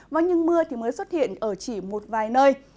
và những mưa mới xuất hiện ở chỉ một vài nơi